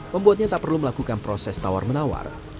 membuatnya tak perlu melakukan proses tawar menawar